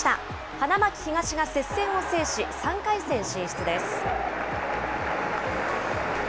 花巻東が接戦を制し、３回戦進出です。